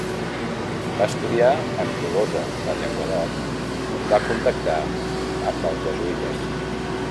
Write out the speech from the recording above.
Va estudiar en Tolosa de Llenguadoc on va contactar amb els jesuïtes.